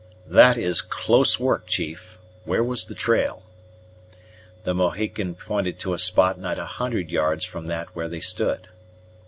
"That is close work, chief. Where was the trail?" The Mohican pointed to a spot not a hundred yards from that where they stood.